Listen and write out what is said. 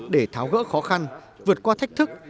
để tháo gỡ khó khăn vượt qua thách thức